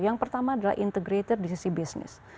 yang pertama adalah integrator di sisi bisnis